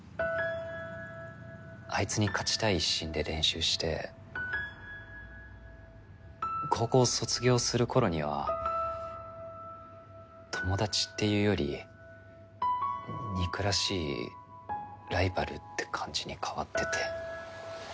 あいつに勝ちたい一心で練習して高校卒業するころには友達っていうより憎らしいライバルって感じに変わってて。